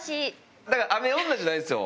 だから雨女じゃないですよ。